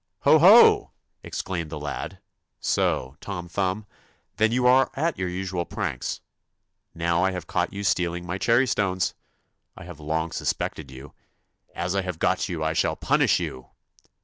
' Ho ho 1 ' exclaimed the lad ;' so Tom Thumb, then you are at your usual pranks. Now I have caught you stealing my cherrystones. I have long suspected you. As I have got you I shall punish you.'